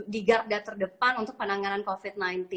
di garda terdepan untuk penanganan covid sembilan belas